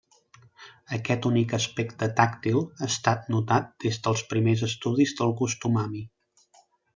Aquest únic aspecte tàctil ha estat notat des dels primers estudis del gust umami.